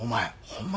ホンマ